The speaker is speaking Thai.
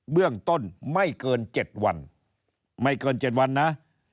เบื้องต้นไม่เกิน๗วันไม่เกิน๗วันนะ